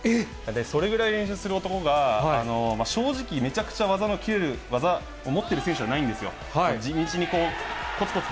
それぐらい練習する男が、正直、めちゃくちゃ技のきれる、技を持ってるわけでは選手じゃないんですよ。